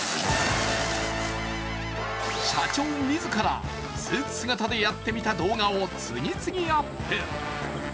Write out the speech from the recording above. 社長自らスーツ姿でやってみた動画を次々アップ。